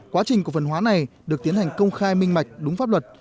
quá trình cổ phần hóa này được tiến hành công khai minh mạch đúng pháp luật